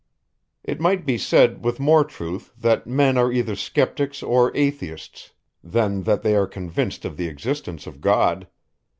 It might be said with more truth, that men are either skeptics or atheists, than that they are convinced of the existence of God.